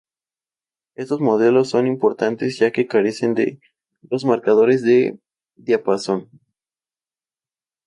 Estos modelos son importantes ya que carecen de los marcadores de diapasón.